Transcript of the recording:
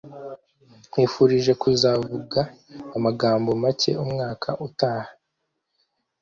nkwifurije kuzavuga amagambo macye umwaka utaha